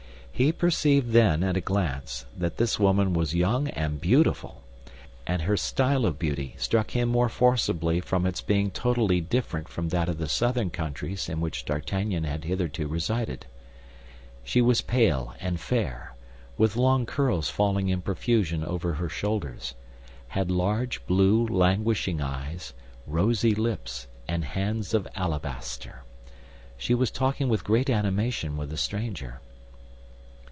He perceived then, at a glance, that this woman was young and beautiful; and her style of beauty struck him more forcibly from its being totally different from that of the southern countries in which D'Artagnan had hitherto resided. She was pale and fair, with long curls falling in profusion over her shoulders, had large, blue, languishing eyes, rosy lips, and hands of alabaster. She was talking with great animation with the stranger.